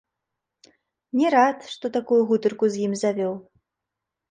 Не рад, што такую гутарку з ім завёў.